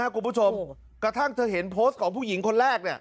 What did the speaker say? กระทั่งเธอเห็นโปสต์ของผู้หญิงคนแรกเนี่ย